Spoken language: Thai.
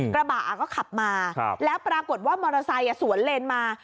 กระบะก็ขับมาแล้วปรากฏว่ามอเตอร์ไซค์สวนเลนมา